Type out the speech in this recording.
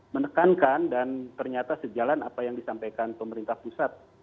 menekankan dan ternyata sejalan apa yang disampaikan pemerintah pusat